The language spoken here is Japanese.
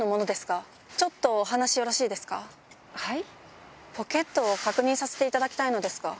はい。